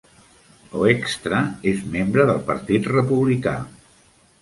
Hoekstra és membre del partit republicà.